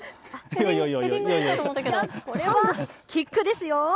これはキックですよ。